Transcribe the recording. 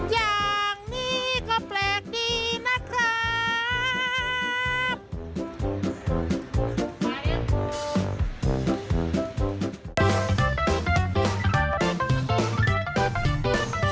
อย่างนี้ก็แปลกดีนะครับ